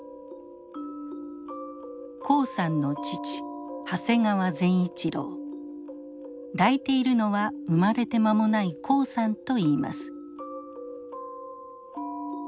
黄さんの父抱いているのは生まれて間もない黄さんといいます。